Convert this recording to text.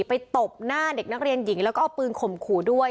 ตบหน้าเด็กนักเรียนหญิงแล้วก็เอาปืนข่มขู่ด้วย